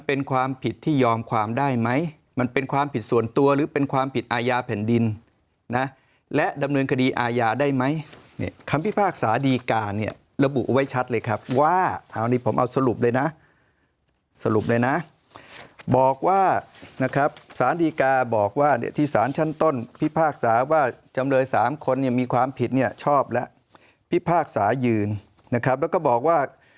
คุณวิรัติว่าคุณวิรัติว่าคุณวิรัติว่าคุณวิรัติว่าคุณวิรัติว่าคุณวิรัติว่าคุณวิรัติว่าคุณวิรัติว่าคุณวิรัติว่าคุณวิรัติว่าคุณวิรัติว่าคุณวิรัติว่าคุณวิรัติว่าคุณวิรัติว่าคุณวิรัติว่าคุณวิรัติว่าคุณวิรัติว่า